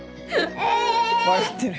笑ってる。